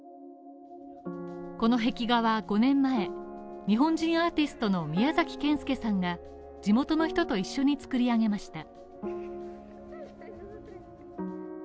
この壁画は５年前日本人アーティストのミヤザキケンスケさんが地元の人と一緒に作り上げました。